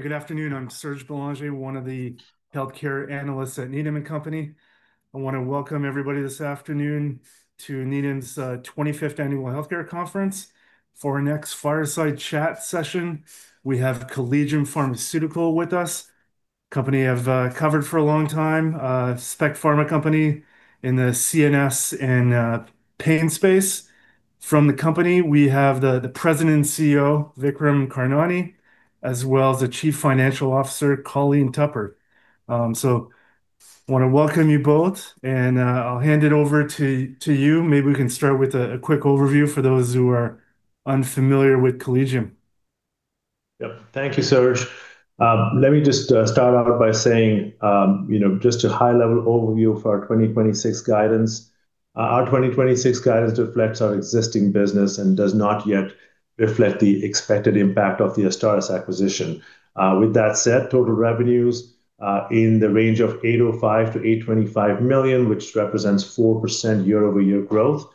Good afternoon. I'm Serge Belanger, one of the healthcare analysts at Needham & Company. I want to welcome everybody this afternoon to Needham's 25th Annual Healthcare Conference. For our next fireside chat session, we have Collegium Pharmaceutical with us, a company I've covered for a long time, a specialty pharma company in the CNS and pain space. From the company, we have the President and CEO, Vikram Karnani, as well as the Chief Financial Officer, Colleen Tupper. I want to welcome you both, and I'll hand it over to you. Maybe we can start with a quick overview for those who are unfamiliar with Collegium. Thank you, Serge. Let me just start out by saying just a high-level overview of our 2026 guidance. Our 2026 guidance reflects our existing business and does not yet reflect the expected impact of the AZSTARYS acquisition. With that said, total revenues are in the range of $805 million to $825 million, which represents 4% year-over-year growth.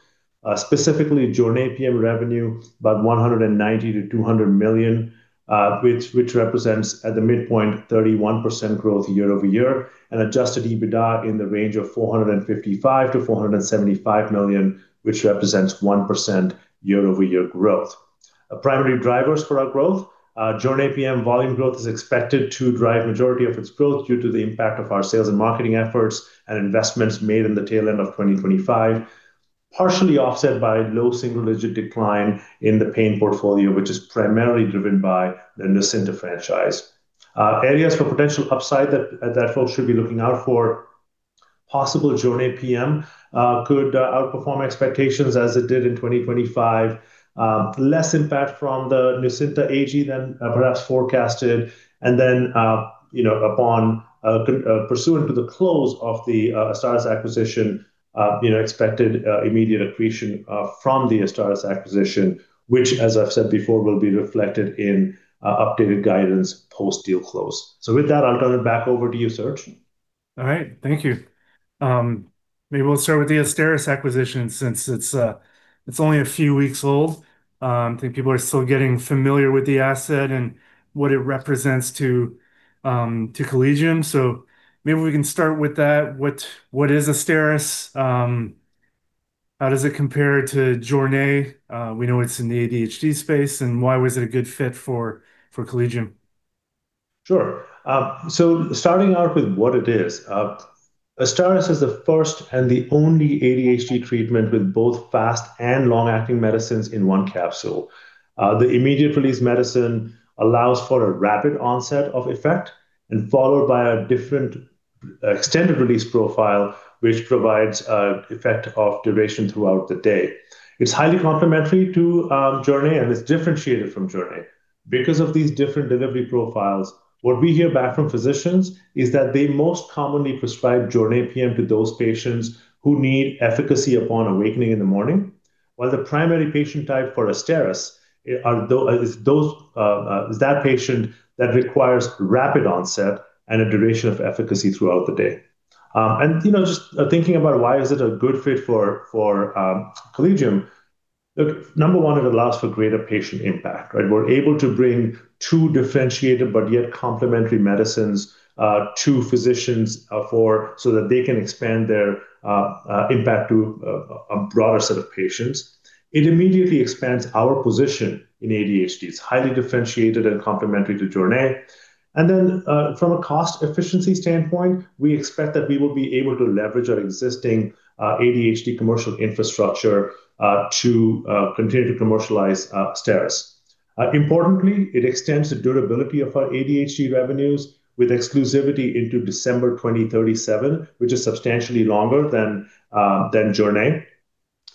Specifically, Jornay PM revenue, about $190 million to $200 million, which represents, at the midpoint, 31% year-over-year growth, and adjusted EBITDA in the range of $455 million to $475 million, which represents 1% year-over-year growth. Primary drivers for our growth, Jornay PM volume growth is expected to drive the majority of its growth due to the impact of our sales and marketing efforts and investments made in the tail end of 2025, partially offset by a low single-digit decline in the pain portfolio, which is primarily driven by the Nucynta franchise. Areas for potential upside that folks should be looking out for, possible Jornay PM could outperform expectations as it did in 2025. Less impact from the Nucynta AG than perhaps forecasted, and then pursuant to the close of the AZSTARYS acquisition, expected immediate accretion from the AZSTARYS acquisition, which as I've said before, will be reflected in our updated guidance post-deal close. With that, I'll turn it back over to you, Serge. All right. Thank you. Maybe we'll start with the AZSTARYS acquisition since it's only a few weeks old. I think people are still getting familiar with the asset and what it represents to Collegium, so maybe we can start with that. What is AZSTARYS? How does it compare to Jornay? We know it's in the ADHD space, and why was it a good fit for Collegium? Sure. Starting out with what it is. AZSTARYS is the first and the only ADHD treatment with both fast and long-acting medicines in one capsule. The immediate-release medicine allows for a rapid onset of effect and followed by a different extended-release profile, which provides an effect of duration throughout the day. It's highly complementary to Jornay, and it's differentiated from Jornay. Because of these different delivery profiles, what we hear back from physicians is that they most commonly prescribe Jornay PM to those patients who need efficacy upon awakening in the morning. While the primary patient type for AZSTARYS is that patient that requires rapid onset and a duration of efficacy throughout the day. Just thinking about why is it a good fit for Collegium. Look, number one, it allows for greater patient impact, right? We're able to bring two differentiated but yet complementary medicines to physicians so that they can expand their impact to a broader set of patients. It immediately expands our position in ADHD. It's highly differentiated and complementary to Jornay. From a cost efficiency standpoint, we expect that we will be able to leverage our existing ADHD commercial infrastructure to continue to commercialize AZSTARYS. Importantly, it extends the durability of our ADHD revenues with exclusivity into December 2037, which is substantially longer than Jornay.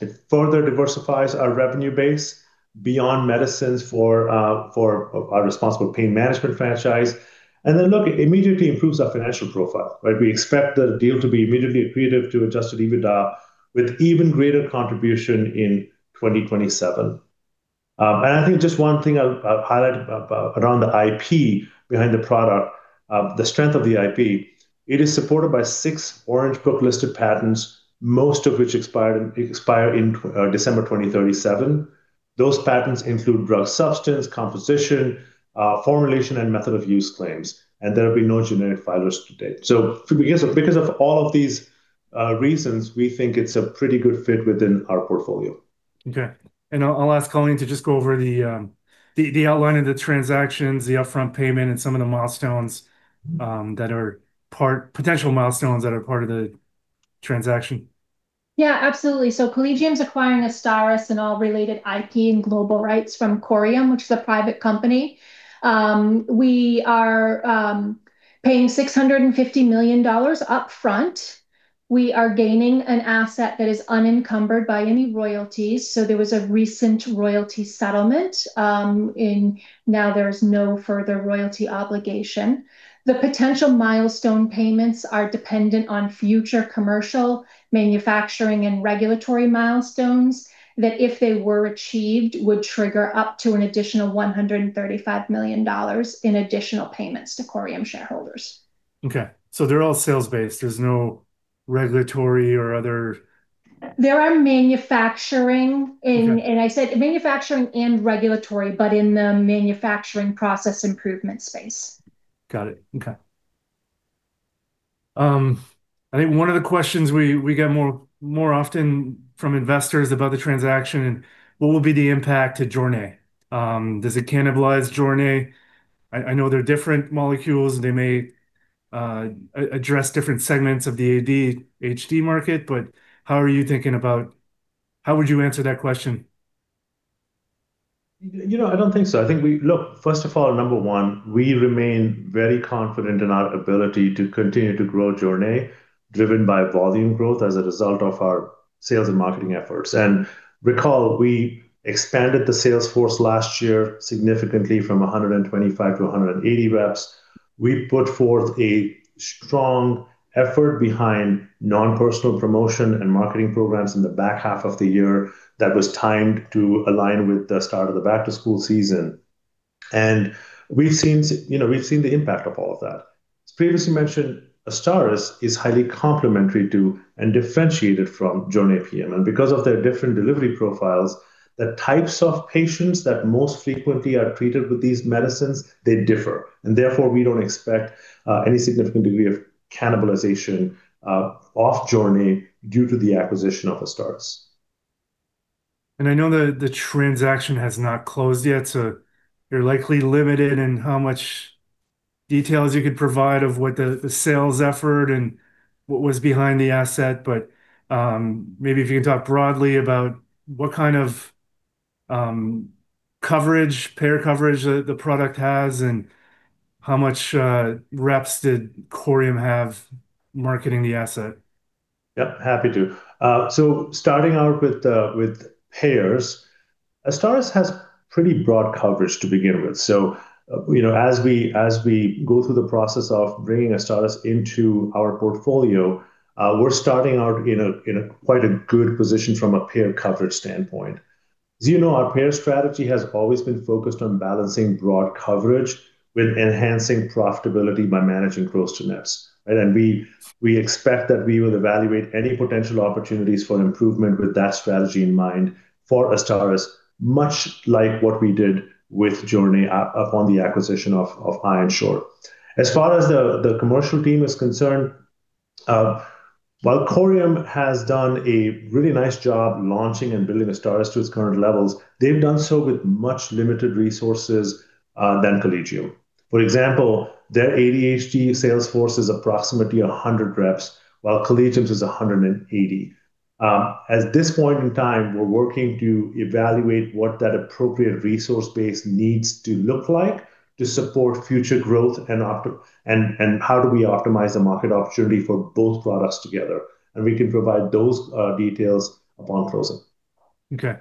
It further diversifies our revenue base beyond medicines for our responsible pain management franchise. Look, it immediately improves our financial profile, right? We expect the deal to be immediately accretive to adjusted EBITDA with even greater contribution in 2027. I think just one thing I'll highlight around the IP behind the product, the strength of the IP, it is supported by six Orange Book listed patents, most of which expire in December 2037. Those patents include drug substance, composition, formulation, and method of use claims, and there have been no generic filers to date. Because of all of these reasons, we think it's a pretty good fit within our portfolio. Okay. I'll ask Colleen to just go over the outline of the transactions, the upfront payment, and some of the potential milestones that are part of the transaction. Yeah, absolutely. Collegium's acquiring AZSTARYS and all related IP and global rights from Corium, which is a private company. We are paying $650 million upfront. We are gaining an asset that is unencumbered by any royalties. There was a recent royalty settlement, and now there is no further royalty obligation. The potential milestone payments are dependent on future commercial, manufacturing, and regulatory milestones that if they were achieved, would trigger up to an additional $135 million in additional payments to Corium shareholders. Okay. They're all sales-based. There's no regulatory or other. There are manufacturing. Okay I said manufacturing and regulatory, but in the manufacturing process improvement space. Got it. Okay. I think one of the questions we get more often from investors about the transaction, what will be the impact to Jornay? Does it cannibalize Jornay? I know they're different molecules. They may address different segments of the ADHD market, but how are you thinking about it. How would you answer that question? I don't think so. Look, first of all, number one, we remain very confident in our ability to continue to grow Jornay, driven by volume growth as a result of our sales and marketing efforts. Recall, we expanded the sales force last year significantly from 125 reps to 180 reps. We put forth a strong effort behind non-personal promotion and marketing programs in the back half of the year that was timed to align with the start of the back-to-school season. We've seen the impact of all of that. As previously mentioned, AZSTARYS is highly complementary to and differentiated from Jornay PM. Because of their different delivery profiles, the types of patients that most frequently are treated with these medicines, they differ, and therefore, we don't expect any significant degree of cannibalization off Jornay due to the acquisition of AZSTARYS. I know the transaction has not closed yet, so you're likely limited in how much details you could provide of what the sales effort and what was behind the asset. Maybe if you could talk broadly about what kind of coverage, payer coverage the product has, and how much reps did Corium have marketing the asset? Yep, happy to. Starting out with payers, AZSTARYS has pretty broad coverage to begin with. As we go through the process of bringing AZSTARYS into our portfolio, we're starting out in quite a good position from a payer coverage standpoint. As you know, our payer strategy has always been focused on balancing broad coverage with enhancing profitability by managing gross to nets. Right, and we expect that we will evaluate any potential opportunities for improvement with that strategy in mind for AZSTARYS, much like what we did with Jornay PM upon the acquisition of Ironshore. As far as the commercial team is concerned, while Corium has done a really nice job launching and building AZSTARYS to its current levels, they've done so with much more limited resources than Collegium. For example, their ADHD sales force is approximately 100 reps, while Collegium's is 180 reps. At this point in time, we're working to evaluate what that appropriate resource base needs to look like to support future growth and how do we optimize the market opportunity for both products together. We can provide those details upon closing. Okay.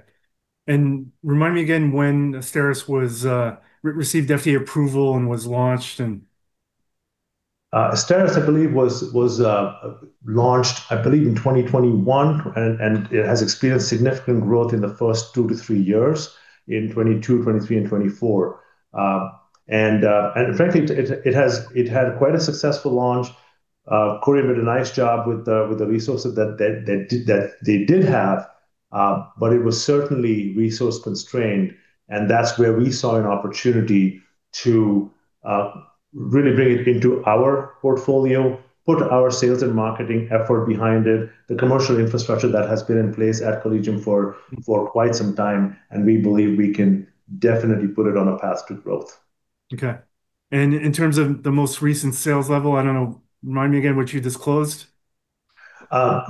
Remind me again when AZSTARYS received FDA approval and was launched? AZSTARYS, I believe, was launched, I believe, in 2021, and it has experienced significant growth in the first two to three years in 2022, 2023, and 2024. Frankly, it had quite a successful launch. Corium did a nice job with the resources that they did have, but it was certainly resource-constrained, and that's where we saw an opportunity to really bring it into our portfolio, put our sales and marketing effort behind it, the commercial infrastructure that has been in place at Collegium for quite some time, and we believe we can definitely put it on a path to growth. Okay. In terms of the most recent sales level, I don't know, remind me again what you disclosed. Yeah.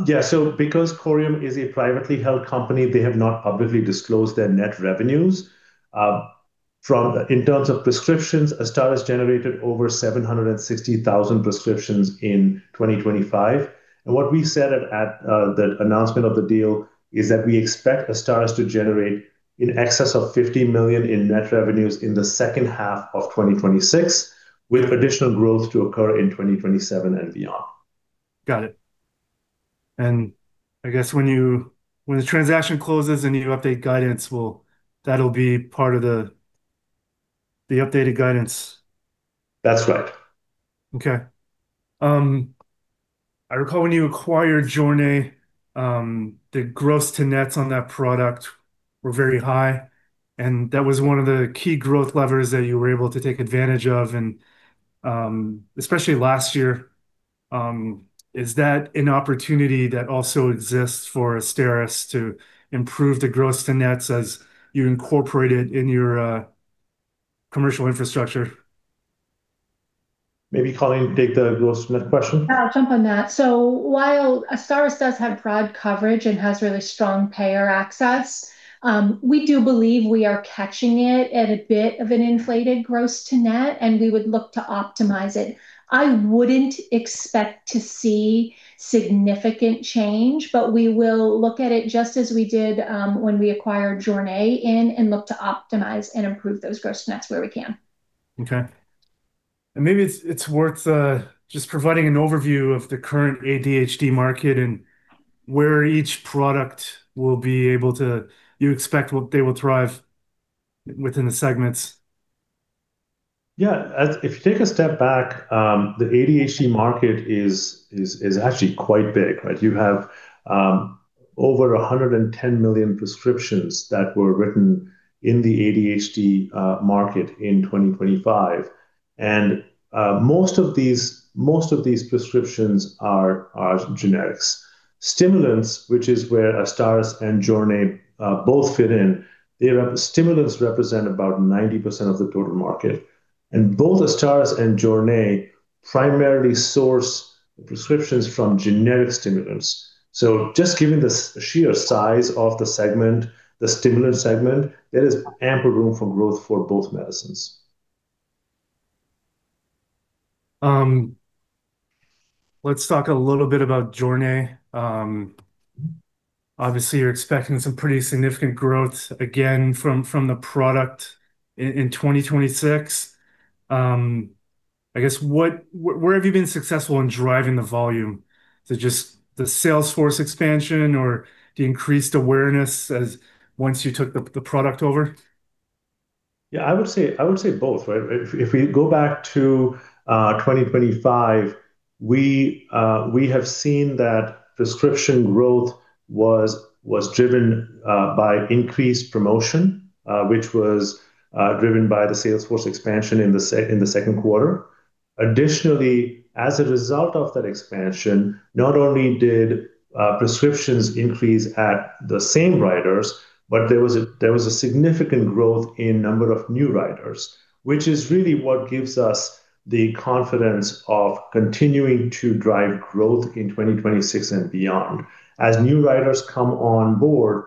Because Corium is a privately held company, they have not publicly disclosed their net revenues. In terms of prescriptions, AZSTARYS generated over 760,000 prescriptions in 2025. What we've said at the announcement of the deal is that we expect AZSTARYS to generate in excess of $50 million in net revenues in the second half of 2026, with additional growth to occur in 2027 and beyond. Got it. I guess when the transaction closes and you update guidance, well, that'll be part of the updated guidance. That's right. Okay. I recall when you acquired Jornay, the gross to nets on that product were very high, and that was one of the key growth levers that you were able to take advantage of, and, especially last year. Is that an opportunity that also exists for AZSTARYS to improve the gross to nets as you incorporate it in your commercial infrastructure? Maybe Colleen can take the gross-to-net question. Yeah. I'll jump on that. While AZSTARYS does have broad coverage and has really strong payer access, we do believe we are catching it at a bit of an inflated gross to net, and we would look to optimize it. I wouldn't expect to see significant change, but we will look at it just as we did when we acquired Jornay and look to optimize and improve those gross to nets where we can. Okay. Maybe it's worth just providing an overview of the current ADHD market and where each product will be able to, you expect, what they will thrive within the segments. Yeah. If you take a step back, the ADHD market is actually quite big. You have over 110 million prescriptions that were written in the ADHD market in 2025, and most of these prescriptions are generics. Stimulants, which is where AZSTARYS and Jornay PM both fit in, stimulants represent about 90% of the total market, and both AZSTARYS and Jornay PM primarily source prescriptions from generic stimulants. Just given the sheer size of the segment, the stimulant segment, there is ample room for growth for both medicines. Let's talk a little bit about Jornay. Obviously, you're expecting some pretty significant growth, again from the product in 2026. I guess, where have you been successful in driving the volume? Is it just the sales force expansion or the increased awareness as once you took the product over? Yeah, I would say both, right? If we go back to 2025, we have seen that prescription growth was driven by increased promotion, which was driven by the sales force expansion in the Q2. Additionally, as a result of that expansion, not only did prescriptions increase at the same writers, but there was a significant growth in number of new writers, which is really what gives us the confidence of continuing to drive growth in 2026 and beyond. As new writers come on board,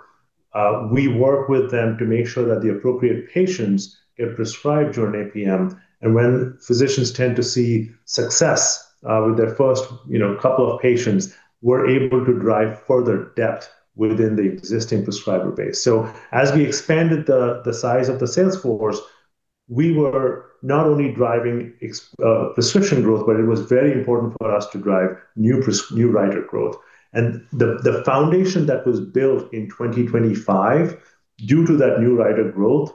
we work with them to make sure that the appropriate patients get prescribed Jornay PM. When physicians tend to see success with their first couple of patients, we're able to drive further depth within the existing prescriber base. As we expanded the size of the sales force, we were not only driving prescription growth, but it was very important for us to drive new writer growth. The foundation that was built in 2025, due to that new writer growth,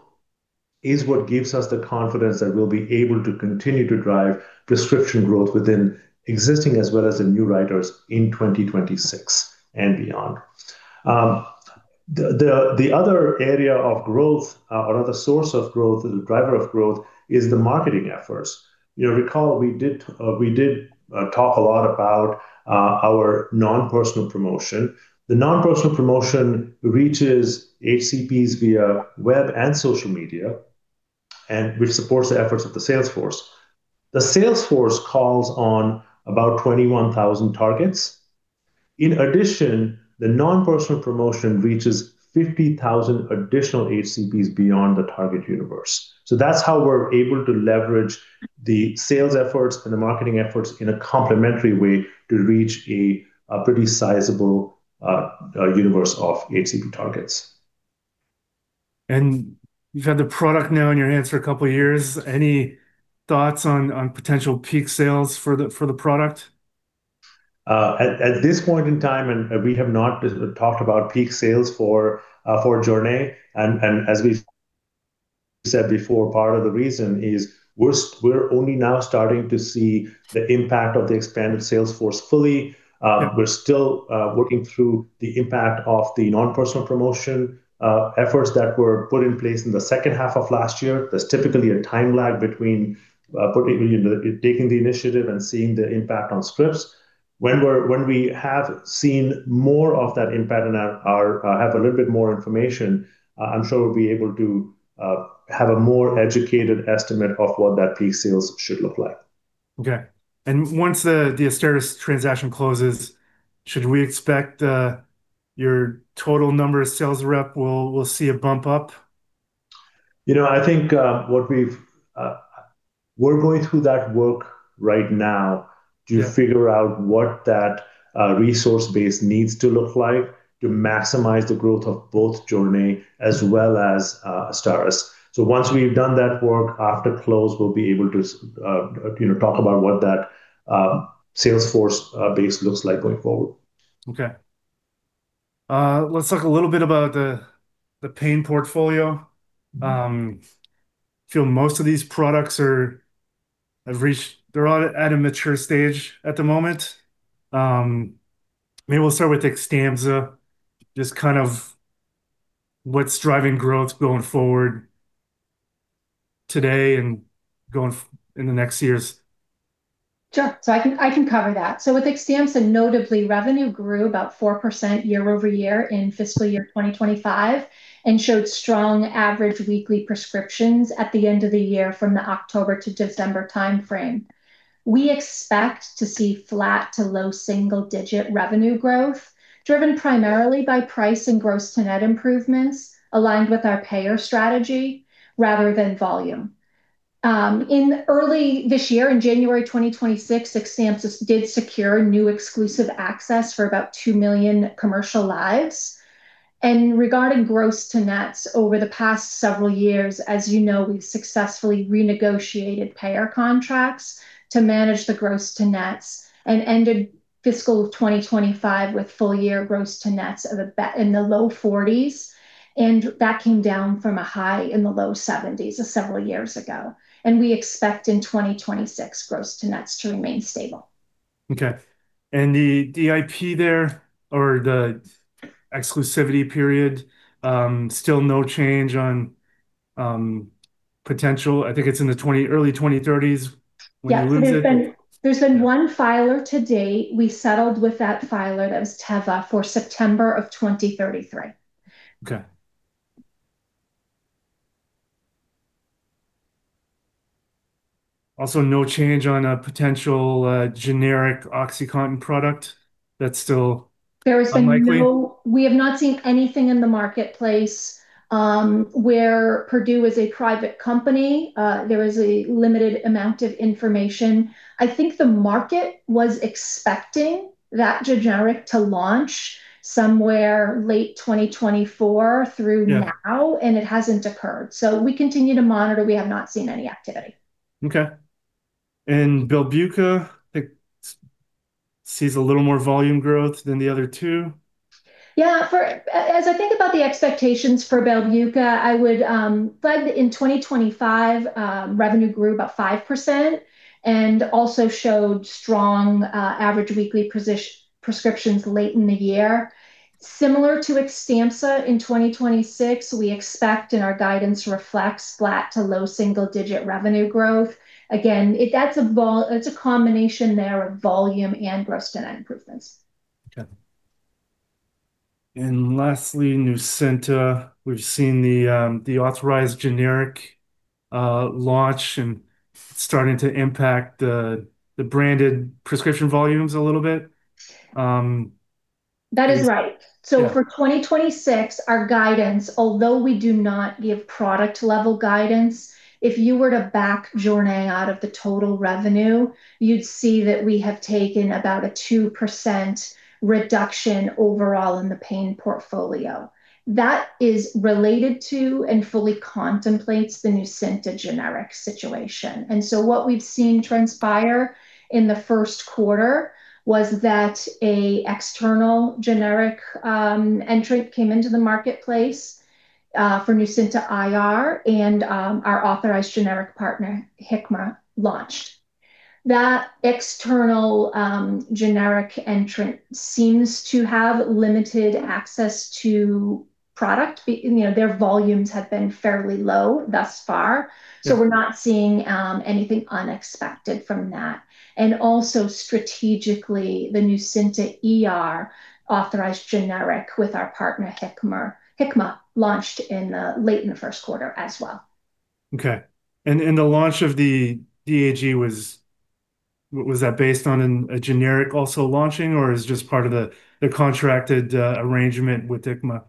is what gives us the confidence that we'll be able to continue to drive prescription growth within existing as well as the new writers in 2026 and beyond. The other area of growth, or other source of growth or the driver of growth is the marketing efforts. You recall, we did talk a lot about our non-personal promotion. The non-personal promotion reaches HCPs via web and social media, and which supports the efforts of the sales force. The sales force calls on about 21,000 targets. In addition, the non-personal promotion reaches 50,000 additional HCPs beyond the target universe. That's how we're able to leverage the sales efforts and the marketing efforts in a complementary way to reach a pretty sizable universe of HCP targets. You've had the product now in your hands for a couple of years. Any thoughts on potential peak sales for the product? At this point in time, we have not talked about peak sales for Jornay. As we've said before, part of the reason is we're only now starting to see the impact of the expanded sales force fully. We're still working through the impact of the non-personal promotion efforts that were put in place in the second half of last year. There's typically a time lag between taking the initiative and seeing the impact on scripts. When we have seen more of that impact and have a little bit more information, I'm sure we'll be able to have a more educated estimate of what that peak sales should look like. Okay. Once the AZSTARYS transaction closes, should we expect your total number of sales rep will see a bump up? I think we're going through that work right now to figure out what that resource base needs to look like to maximize the growth of both Jornay as well as AZSTARYS. Once we've done that work, after close, we'll be able to talk about what that sales force base looks like going forward. Okay. Let's talk a little bit about the pain portfolio. I feel most of these products are at a mature stage at the moment. Maybe we'll start with Xtampza, just kind of what's driving growth going forward today and going in the next years. Sure. I can cover that. With Xtampza, notably, revenue grew about 4% year-over-year in fiscal year 2025 and showed strong average weekly prescriptions at the end of the year from the October to December timeframe. We expect to see flat to low single-digit revenue growth, driven primarily by price and gross to net improvements aligned with our payer strategy rather than volume. In early this year, in January 2026, Xtampza did secure new exclusive access for about 2 million commercial lives. Regarding gross to nets over the past several years, as you know, we've successfully renegotiated payer contracts to manage the gross to nets and ended fiscal 2025 with full-year gross to nets in the low 40%, and that came down from a high in the low 70s% several years ago. We expect in 2026, gross to nets to remain stable. Okay. The IP there, or the exclusivity period, still no change on potential. I think it's in the early 2030s when you lose it? Yes. There's been one filer to date. We settled with that filer. That was Teva for September of 2033. Okay. Also, no change on a potential generic OxyContin product? That's still unlikely? We have not seen anything in the marketplace, where Purdue is a private company. There is a limited amount of information. I think the market was expecting that generic to launch somewhere late 2024 through now. Yeah It hasn't occurred. We continue to monitor. We have not seen any activity. Okay. BELBUCA, I think, sees a little more volume growth than the other two. Yeah. As I think about the expectations for BELBUCA, I would flag that in 2025, revenue grew about 5% and also showed strong average weekly prescriptions late in the year. Similar to Xtampza, in 2026, we expect, and our guidance reflects, flat to low single-digit revenue growth. Again, it's a combination there of volume and gross-to-net improvements. Okay. Lastly, Nucynta. We've seen the authorized generic launch and starting to impact the branded prescription volumes a little bit. That is right. Yeah. For 2026, our guidance, although we do not give product-level guidance, if you were to back Jornay out of the total revenue, you'd see that we have taken about a 2% reduction overall in the pain portfolio. That is related to, and fully contemplates, the Nucynta generic situation. What we've seen transpire in the Q1 was that an external generic entrant came into the marketplace, for Nucynta IR, and our authorized generic partner, Hikma, launched. That external generic entrant seems to have limited access to product. Their volumes have been fairly low thus far. Yeah. We're not seeing anything unexpected from that. Also strategically, the Nucynta ER authorized generic with our partner, Hikma, launched late in the Q1 as well. Okay. The launch of the AG, was that based on a generic also launching, or is just part of the contracted arrangement with Hikma?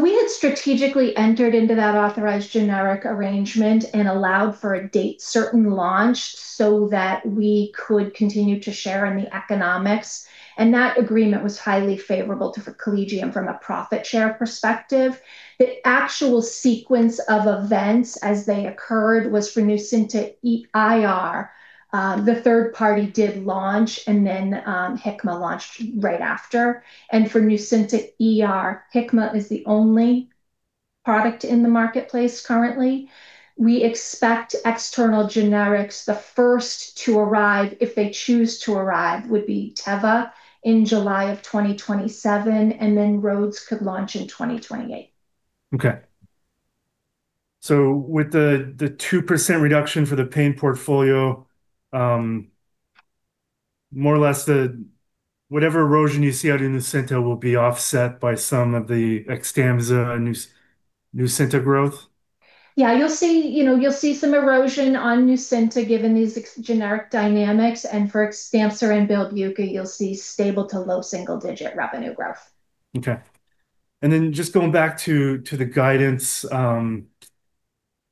We had strategically entered into that authorized generic arrangement and allowed for a date-certain launch so that we could continue to share in the economics, and that agreement was highly favorable to Collegium from a profit share perspective. The actual sequence of events as they occurred was for Nucynta IR. The third party did launch, and then Hikma launched right after. For Nucynta ER, Hikma is the only product in the marketplace currently. We expect external generics, the first to arrive, if they choose to arrive, would be Teva in July of 2027, and then Rhodes could launch in 2028. Okay. With the 2% reduction for the pain portfolio, more or less, whatever erosion you see out in Nucynta will be offset by some of the Xtampza and Nucynta growth? Yeah. You'll see some erosion on Nucynta given these generic dynamics, and for Xtampza and BELBUCA, you'll see stable to low single-digit revenue growth. Okay. Just going back to the guidance,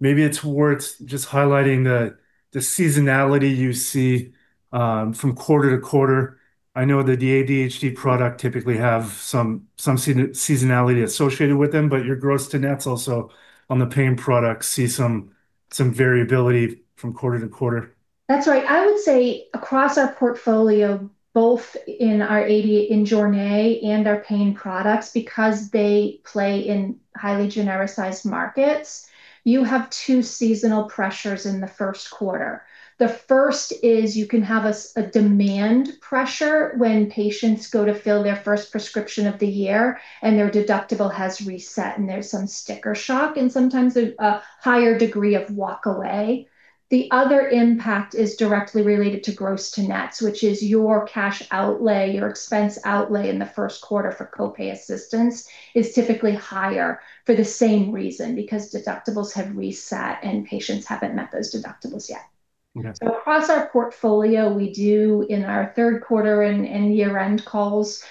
maybe it's worth just highlighting the seasonality you see from quarter to quarter. I know that the ADHD product typically have some seasonality associated with them, but your gross to nets also on the pain products see some variability from quarter to quarter. That's right. I would say across our portfolio, both in our ADHD and Jornay and our pain products, because they play in highly genericized markets, you have two seasonal pressures in the Q1. The first is you can have a demand pressure when patients go to fill their first prescription of the year and their deductible has reset, and there's some sticker shock, and sometimes a higher degree of walkaway. The other impact is directly related to gross to nets, which is your cash outlay, your expense outlay in the Q1 for co-pay assistance is typically higher for the same reason, because deductibles have reset and patients haven't met those deductibles yet. Okay. Across our portfolio, we do in our Q3 and year-end calls,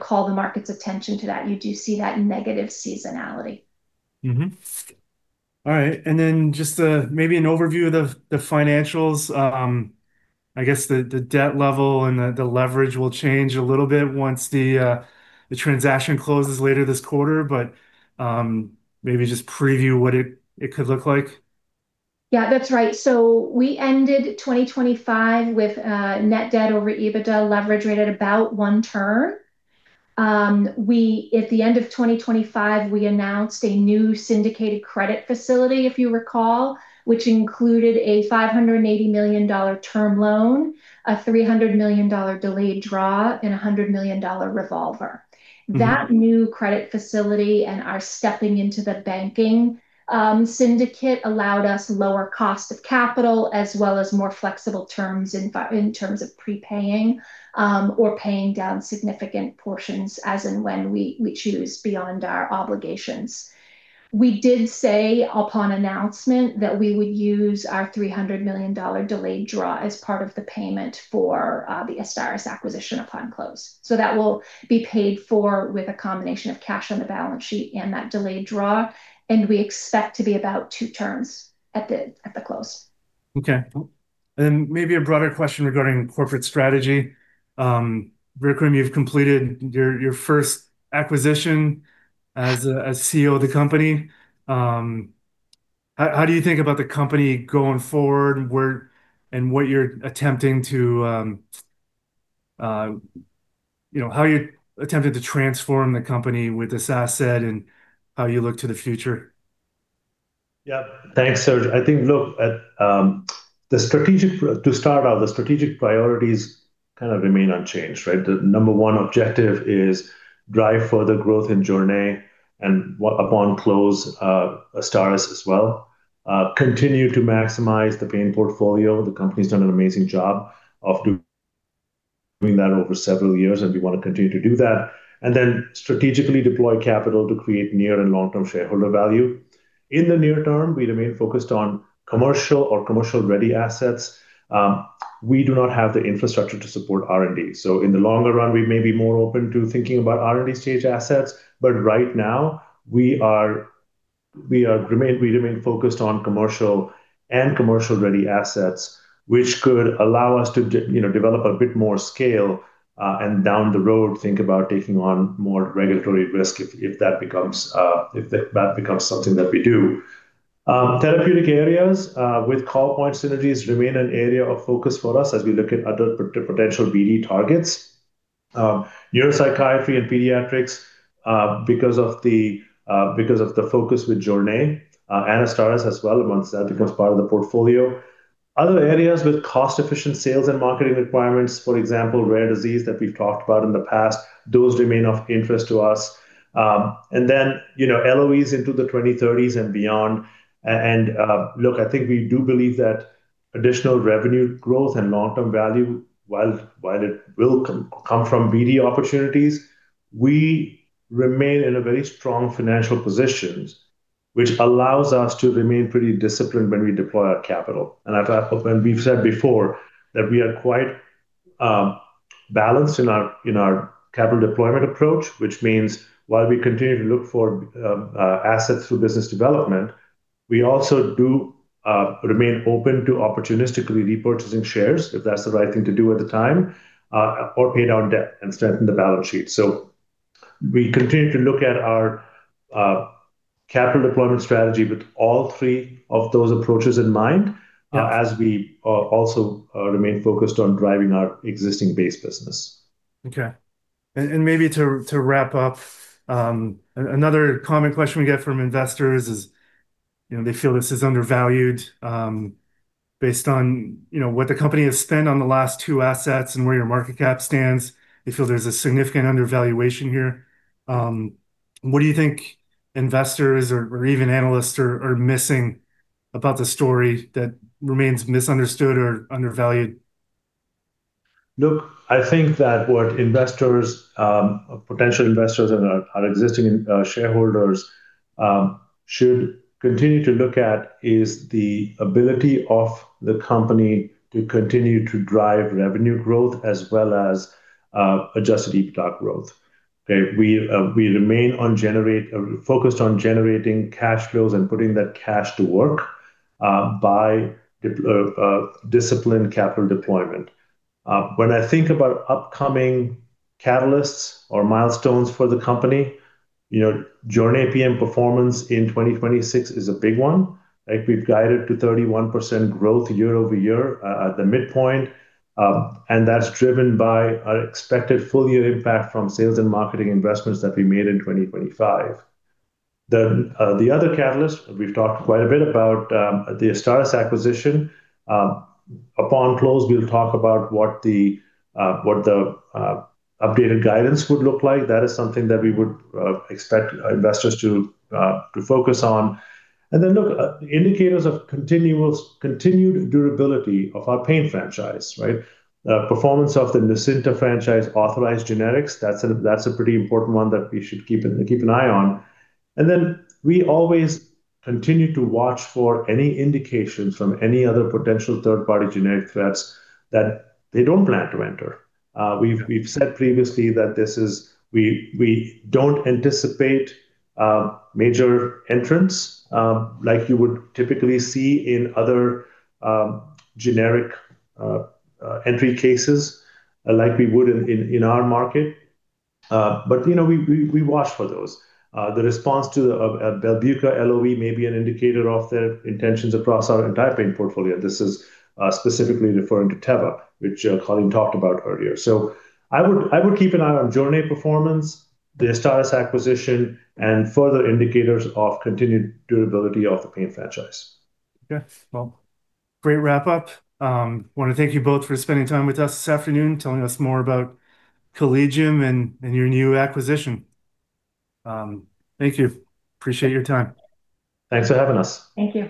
call the market's attention to that. You do see that negative seasonality. All right. Just maybe an overview of the financials. I guess the debt level and the leverage will change a little bit once the transaction closes later this quarter, but maybe just preview what it could look like. Yeah, that's right. We ended 2025 with net debt over EBITDA leverage rate at about one turn. At the end of 2025, we announced a new syndicated credit facility, if you recall, which included a $580 million term loan, a $300 million delayed draw, and a $100 million revolver. Mm-hmm. That new credit facility and our stepping into the banking syndicate allowed us lower cost of capital, as well as more flexible terms in terms of prepaying or paying down significant portions as and when we choose beyond our obligations. We did say upon announcement that we would use our $300 million delayed draw as part of the payment for the AZSTARYS acquisition upon close. That will be paid for with a combination of cash on the balance sheet and that delayed draw, and we expect to be about two turns at the close. Okay. Maybe a broader question regarding corporate strategy. Vikram, you've completed your first acquisition as CEO of the company. How do you think about the company going forward, and how are you attempting to transform the company with this asset, and how you look to the future? Yeah. Thanks, Serge. I think, look, to start out, the strategic priorities kind of remain unchanged, right? The number one objective is to drive further growth in Jornay, and upon close, AZSTARYS as well. Continue to maximize the pain portfolio. The company's done an amazing job of doing that over several years, and we want to continue to do that, and then strategically deploy capital to create near- and long-term shareholder value. In the near term, we remain focused on commercial or commercial-ready assets. We do not have the infrastructure to support R&D. In the longer run, we may be more open to thinking about R&D stage assets. Right now, we remain focused on commercial and commercial-ready assets, which could allow us to develop a bit more scale, and down the road, think about taking on more regulatory risk if that becomes something that we do. Therapeutic areas with call point synergies remain an area of focus for us as we look at other potential BD targets. Neuropsychiatry and pediatrics, because of the focus with Jornay PM, and AZSTARYS as well, once that becomes part of the portfolio. Other areas with cost-efficient sales and marketing requirements, for example, rare disease that we've talked about in the past, those remain of interest to us. LOEs into the 2030s and beyond. Look, I think we do believe that additional revenue growth and long-term value, while it will come from BD opportunities, we remain in a very strong financial position, which allows us to remain pretty disciplined when we deploy our capital. We've said before that we are quite balanced in our capital deployment approach, which means while we continue to look for assets for business development, we also do remain open to opportunistically repurchasing shares if that's the right thing to do at the time, or pay down debt and strengthen the balance sheet. We continue to look at our capital deployment strategy with all three of those approaches in mind. Yeah As we also remain focused on driving our existing base business. Okay. Maybe to wrap up, another common question we get from investors is they feel this is undervalued, based on what the company has spent on the last two assets and where your market cap stands. They feel there's a significant undervaluation here. What do you think investors or even analysts are missing about the story that remains misunderstood or undervalued? Look, I think that what investors, potential investors and our existing shareholders should continue to look at is the ability of the company to continue to drive revenue growth as well as adjusted EBITDA growth. Okay. We remain focused on generating cash flows and putting that cash to work by disciplined capital deployment. When I think about upcoming catalysts or milestones for the company, Jornay PM performance in 2026 is a big one. We've guided to 31% growth year-over-year at the midpoint, and that's driven by our expected full-year impact from sales and marketing investments that we made in 2025. The other catalyst, we've talked quite a bit about, the AZSTARYS acquisition. Upon close, we'll talk about what the updated guidance would look like. That is something that we would expect investors to focus on. Look, the indicators of continued durability of our pain franchise, right? Performance of the Nucynta franchise authorized generics, that's a pretty important one that we should keep an eye on. We always continue to watch for any indications from any other potential third-party generic threats that they don't plan to enter. We've said previously that we don't anticipate major entrants like you would typically see in other generic entry cases, like we would in our market. We watch for those. The response to BELBUCA LOE may be an indicator of their intentions across our entire pain portfolio. This is specifically referring to Teva, which Colleen talked about earlier. I would keep an eye on Jornay performance, the AZSTARYS acquisition, and further indicators of continued durability of the pain franchise. Okay. Well, great wrap-up. I want to thank you both for spending time with us this afternoon, telling us more about Collegium and your new acquisition. Thank you. Appreciate your time. Thanks for having us. Thank you.